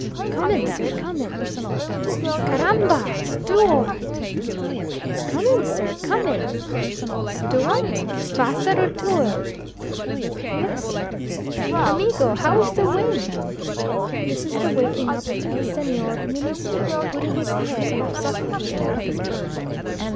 "Comin, sir, comin." "Caramba! Stooard!" "Comin, sir, comin!" "Stuart? vasser und toel!" "Here, sir." "Amigo! how is the wind?" (This is the waking up of el Señor Ministro, putting his head half suffocated out of his berth.)